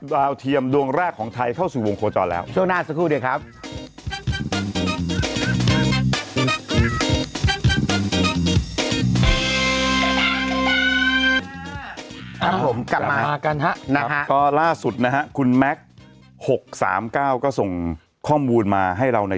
ครับผมกลับมากันนะครับก็ล่าสุดนะครับคุณแม็กซ์๖๓๙ก็ส่งข้อมูลมาให้เราใน